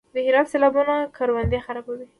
د هرات سیلابونه کروندې خرابوي؟